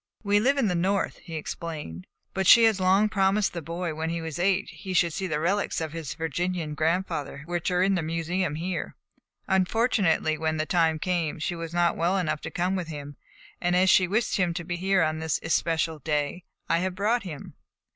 "We live in the North," he explained, "but she has long promised the boy that when he was eight he should see the relics of his Virginian grandfather which are in the museum here. Unfortunately, when the time came, she was not well enough to come with him; and as she wished him to be here on this especial day, I have brought him."